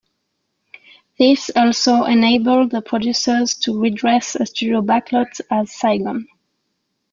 This also enabled the producers to re-dress a studio backlot as Saigon.